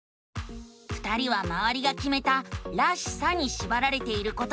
２人はまわりがきめた「らしさ」にしばられていることに気づくのさ！